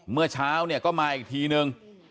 เมื่อเช้าเนี่ยก็มาอีกทีนึง